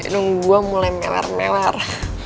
nunggu gue mulai mewar mewar